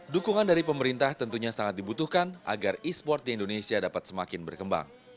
dukungan dari pemerintah tentunya sangat dibutuhkan agar e sport di indonesia dapat semakin berkembang